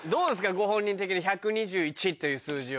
ご本人的に１２１という数字は。